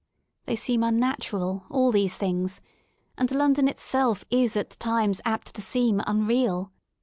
They seem unnatural, all these things, and London itself is at times apt to seem un real.